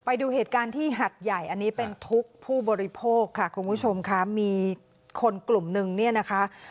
ไปดูเหตุการณ์ที่หัดใหญ่อันนี้เป็นทุกข์ผู้บริโภคค่ะคุณผู้ชมค่ะมีคนกลุ่มนึงเนี่ยนะคะ